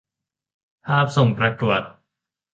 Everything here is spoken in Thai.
ส่งภาพประกวด